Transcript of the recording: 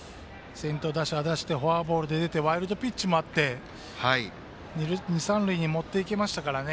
先頭打者フォアボールで出てワイルドピッチもあって二、三塁に持っていけましたからね。